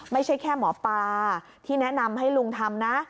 ไม่ใช่แค่หมอปลาที่แนะนำให้ลุงทำนะ